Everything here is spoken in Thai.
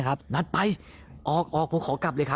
กูไม่ใช่แล้วสาวลม